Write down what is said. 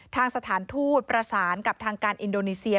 ทางสถานทูตประสานกับทางการอินโดนีเซีย